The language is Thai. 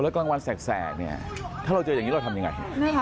แล้วกลางวันแสกถ้าเราเจออย่างนี้เราทำยังไง